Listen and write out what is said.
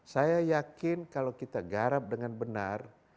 saya yakin kalau kita garap dengan benar